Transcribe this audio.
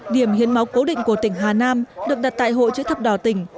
điểm hiến máu cố định của tỉnh hà nam được đặt tại hội chữ thập đỏ tỉnh